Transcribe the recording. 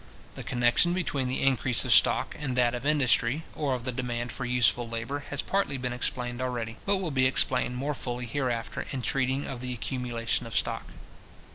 The connection between the increase of stock and that of industry, or of the demand for useful labour, has partly been explained already, but will be explained more fully hereafter, in treating of the accumulation of stock.